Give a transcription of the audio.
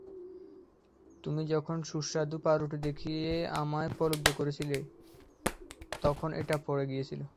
তুমি যখন সুস্বাদু পাউরুটি দেখিয়ে আমায় প্রলুব্ধ করেছিলে, তখন এটা পড়ে গিয়েছিল।